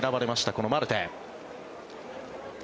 このマルテ。